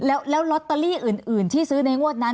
แล้วลอตเตอรี่อื่นที่ซื้อในงวดนั้น